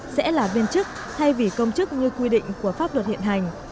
sẽ là viên chức thay vì công chức như quy định của pháp luật hiện hành